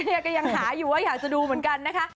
เนี่ยก็ยังหาอยู่ว่าอยากจะดูเหมือนกันนะคะ